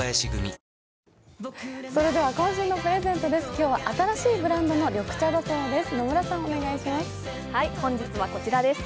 今日は新しいブランドの緑茶だそうです。